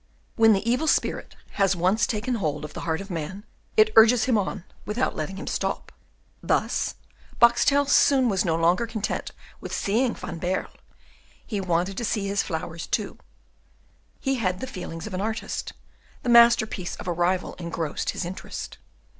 When the evil spirit has once taken hold of the heart of man, it urges him on, without letting him stop. Thus Boxtel soon was no longer content with seeing Van Baerle. He wanted to see his flowers, too; he had the feelings of an artist, the master piece of a rival engrossed his interest.